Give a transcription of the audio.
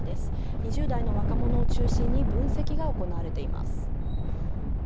２０代の若者を中心に分析が行われています。